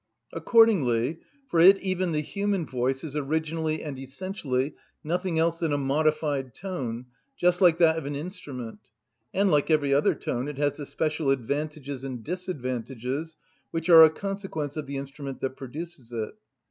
Accordingly, for it even the human voice is originally and essentially nothing else than a modified tone, just like that of an instrument; and, like every other tone, it has the special advantages and disadvantages which are a consequence of the instrument that produces it.